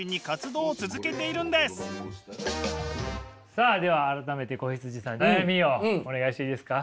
さあでは改めて子羊さん悩みをお願いしていいですか？